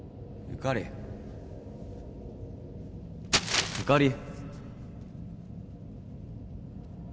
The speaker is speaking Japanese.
ゆかり。